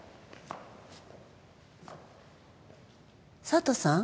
佐都さん。